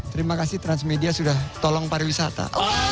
terima kasih transmedia sudah tolong pariwisata